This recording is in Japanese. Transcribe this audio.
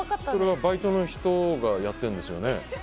それはバイトの人がやっているんですよね。